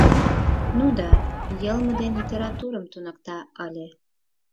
— Ну да, йылме ден литературым туныкта ыле.